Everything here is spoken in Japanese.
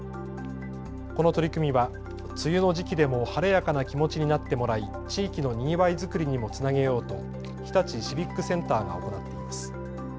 この取り組みは梅雨の時期でも晴れやかな気持ちになってもらい地域のにぎわいづくりにもつなげようと日立シビックセンターが行っています。